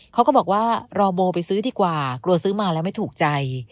เขาก็บอกว่ารอโบไปซื้อดีกว่ากลัวซื้อมาแล้วไม่ถูกใจ